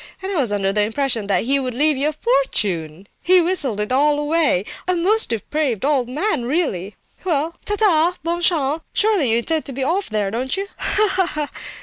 And I was under the impression that he would leave you a fortune! He's whistled it all away. A most depraved old gentleman, really! Well, ta, ta!—bonne chance! Surely you intend to be off there, don't you? Ha, ha!